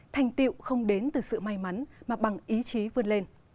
thành tiệu không đến từ sự may mắn mà bằng ý chí vươn lên